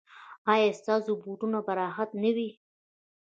ایا ستاسو بوټونه به راحت نه وي؟